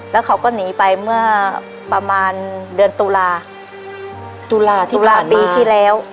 แล้วเขาก็หนีไปเมื่อประมาณเดือนตุลาตุลาที่ลาปีที่แล้ว